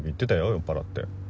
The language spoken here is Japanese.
酔っぱらって。